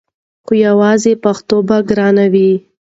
خو یواځې پښتو به ګرانه وي!